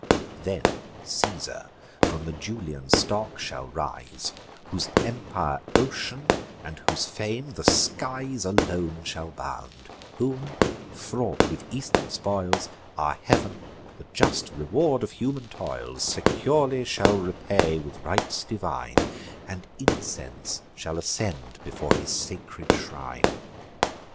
Then Caesar from the Julian stock shall rise, Whose empire ocean, and whose fame the skies Alone shall bound; whom, fraught with eastern spoils, Our heav'n, the just reward of human toils, Securely shall repay with rites divine; And incense shall ascend before his sacred shrine.